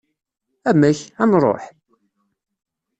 Amek? ad nruḥ?